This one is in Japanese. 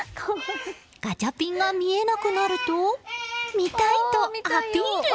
ガチャピンが見えなくなると見たいとアピール。